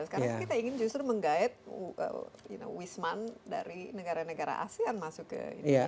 sekarang kita ingin justru menggait wisman dari negara negara asean masuk ke indonesia